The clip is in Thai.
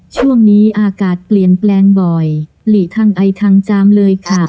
ช่วงนี้อากาศเปลี่ยนแปลงบ่อยหลีทางไอทางจามเลยค่ะ